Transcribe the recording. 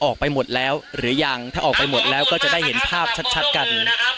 ออกไปหมดแล้วหรือยังถ้าออกไปหมดแล้วก็จะได้เห็นภาพชัดกัน